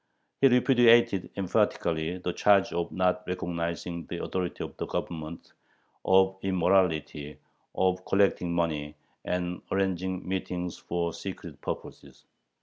He repudiated emphatically the charge of not recognizing the authority of the Government, of immorality, of collecting money, and arranging meetings for secret purposes.